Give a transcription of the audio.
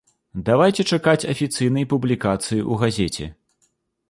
Давайце чакаць афіцыйнай публікацыі ў газеце.